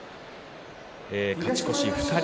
勝ち越し２人。